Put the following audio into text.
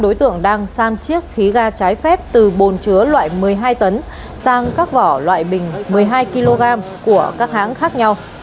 đối tượng đang san chiếc khí ga trái phép từ bồn chứa loại một mươi hai tấn sang các vỏ loại bình một mươi hai kg của các hãng khác nhau